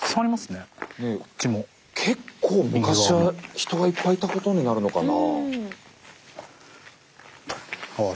結構昔は人がいっぱいいたことになるのかな。